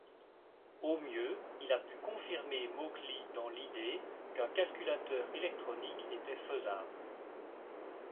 Au mieux, il a pu confirmer Mauchly dans l'idée qu'un calculateur électronique était faisable.